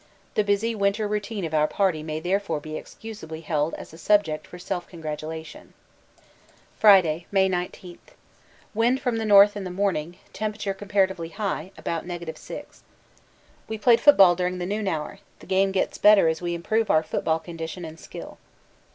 The busy winter routine of our party may therefore be excusably held as a subject for self congratulation. Friday, May 19. Wind from the north in the morning, temperature comparatively high (about 6°). We played football during the noon hour the game gets better as we improve our football condition and skill.